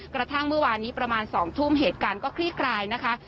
กระทั่งเมื่อวานนี้ประมาณ๒ทุ่มเหตุการณ์ก็คลี่คลายนะคะ